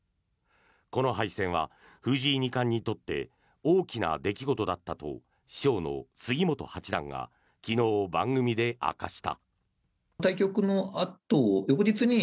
この敗戦は藤井二冠にとって大きな出来事だったと師匠の杉本八段が昨日、番組で明かした。